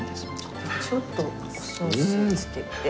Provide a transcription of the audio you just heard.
ちょっとおソースつけて。